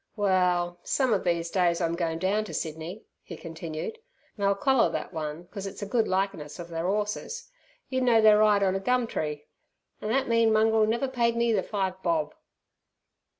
"Well some of these days I'm goin' down ter Sydney," he continued, "an' I'll collar thet one 'cos it's a good likerness of ther 'orses you'd know their 'ide on a gum tree an' that mean mongrel never paid me ther five bob."